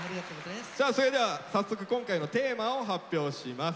それでは早速今回のテーマを発表します。